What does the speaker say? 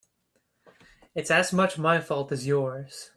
It's as much my fault as yours.